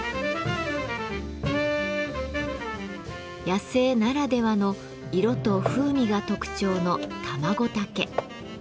野生ならではの色と風味が特徴のタマゴタケ。